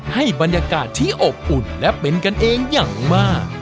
ให้บรรยากาศที่อบอุ่นและเป็นกันเองอย่างมาก